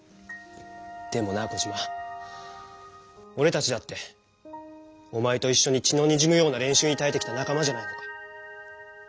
でもなコジマおれたちだっておまえといっしょに血のにじむような練習にたえてきた仲間じゃないのか？